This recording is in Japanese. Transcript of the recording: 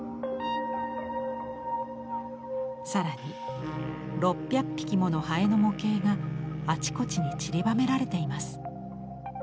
更に６００匹ものハエの模型があちこちにちりばめられています。